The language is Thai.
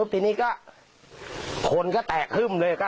ทีนี้ก็คนก็แตกฮึ่มเลย